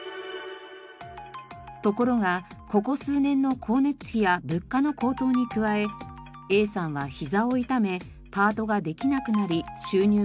ところがここ数年の光熱費や物価の高騰に加えＡさんは膝を痛めパートができなくなり収入が減少。